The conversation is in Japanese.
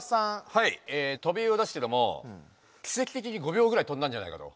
はいトビウオですけどもきせき的に５秒ぐらいとんだんじゃないかと。